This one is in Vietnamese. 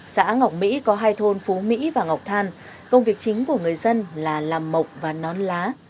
xã ngọc mỹ có hai thôn phú mỹ và ngọc than công việc chính của người dân là làm mộc và non lá